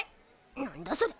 なんだそれ！